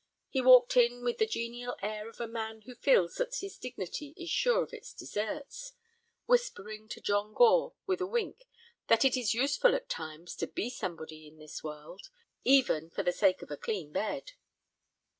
He walked in with the genial air of a man who feels that his dignity is sure of its deserts, whispering to John Gore, with a wink, that it is useful at times to be somebody in this world, even for the sake of a clean bed.